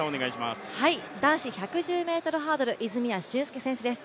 男子１１０ｍハードル、泉谷駿介選手です。